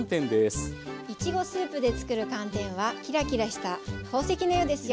いちごスープでつくる寒天はキラキラした宝石のようですよ。